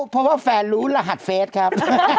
เพราะว่าแฟนรู้รหัสเฟสครับ